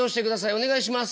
お願いします。